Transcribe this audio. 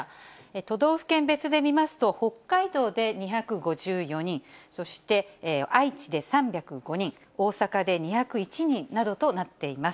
都道府県別で見ますと、北海道で２５４人、そして愛知で３０５人、大阪で２０１人などとなっています。